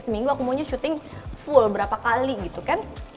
seminggu aku maunya syuting full berapa kali gitu kan